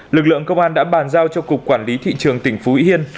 lực lượng công an đã bàn giao cho cục quản lý thị trường tỉnh phú yên